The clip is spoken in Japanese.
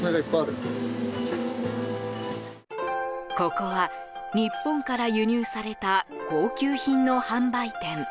ここは、日本から輸入された高級品の販売店。